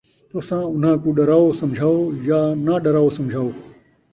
تُساں اُنھاں کوں ڈراؤ سمجھاؤ یا نہ ݙراؤ سمجھاؤ،